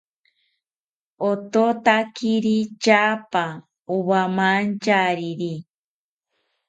Ototakiri tyaapa owamantyariri